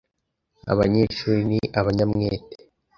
Abanyeshuri ni abanyamwete.